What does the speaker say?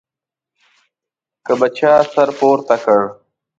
که به چا سر پورته کړ.